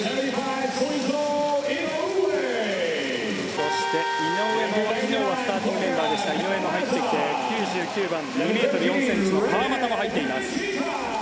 そして、井上は昨日はスターティングメンバーでした井上も入ってきて９９番、２ｍ４ｃｍの川真田も入っています。